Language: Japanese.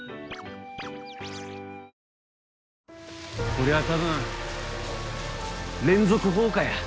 こりゃ多分連続放火や。